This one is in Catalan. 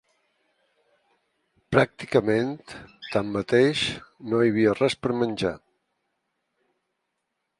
Pràcticament, tanmateix, no hi havia res per menjar